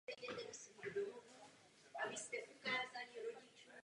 Cílem hry je najít kalich v chrámu hluboko v džungli.